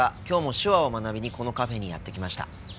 今日も手話を学びにこのカフェにやって来ました。